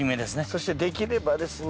そしてできればですね